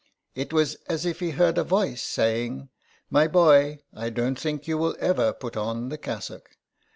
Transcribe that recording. It was as if he heard a voice saying :" My boy, I don't think you will ever put on the cassock.